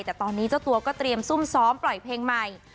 แต่ตอนนี้เจ้าตัวก็เตรียมซุ่มซ้อมปล่อยเพลงใหม่